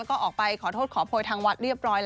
ก็ออกไปขอโทษขอโพยทางวัดเรียบร้อยแล้ว